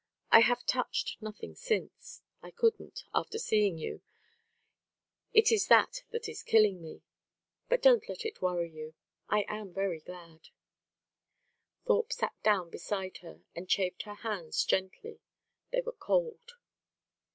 I have touched nothing since; I couldn't, after seeing you. It is that that is killing me; but don't let it worry you. I am very glad." Thorpe sat down beside her and chafed her hands gently. They were cold.